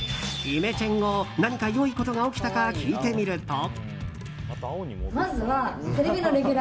イメチェン後、何か良いことが起きたか聞いてみると。